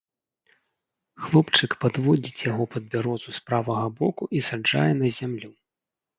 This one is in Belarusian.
Хлопчык падводзіць яго пад бярозу з правага боку і саджае на зямлю.